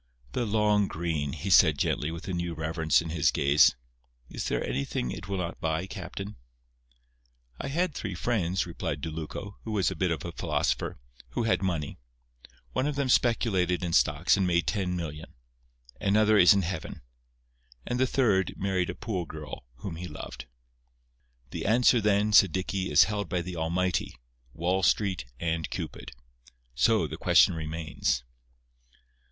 "The long green!" he said, gently, with a new reverence in his gaze. "Is there anything it will not buy, Captain?" "I had three friends," replied De Lucco, who was a bit of a philosopher, "who had money. One of them speculated in stocks and made ten million; another is in heaven, and the third married a poor girl whom he loved." "The answer, then," said Dicky, "is held by the Almighty, Wall Street and Cupid. So, the question remains."